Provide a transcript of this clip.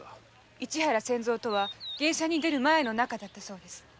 市原千蔵とは芸者に出る前の仲だったそうです。